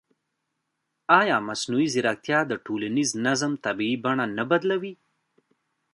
ایا مصنوعي ځیرکتیا د ټولنیز نظم طبیعي بڼه نه بدلوي؟